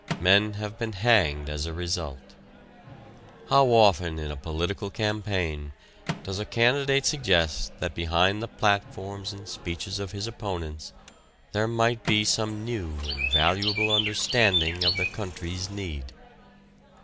Men have been hanged as a result. How often in a political campaign does a candidate suggest that behind the platforms and speeches of his opponents there might be some new and valuable understanding of the country's need?